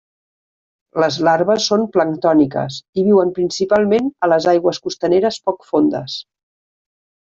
Les larves són planctòniques i viuen principalment a les aigües costaneres poc fondes.